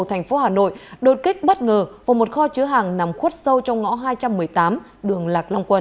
thành phố hà nội đột kích bất ngờ vào một kho chứa hàng nằm khuất sâu trong ngõ hai trăm một mươi tám đường lạc long quân